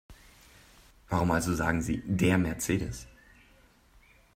Warum also sagen Sie DER Mercedes?